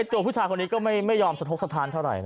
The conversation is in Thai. ตัวผู้ชายคนนี้ก็ไม่ยอมสะทกสถานเท่าไหร่